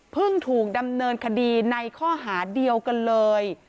ถูกดำเนินคดีในข้อหาเดียวกันเลย